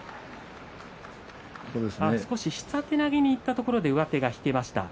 少し下手投げにいったところで上手が引けましたね。